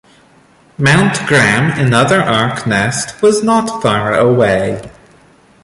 Mount Gram, another Orc nest, was not far away.